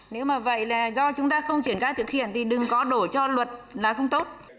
nếu mà vậy là do chúng ta không triển khai thực hiện thì đừng có đổ cho luật là không tốt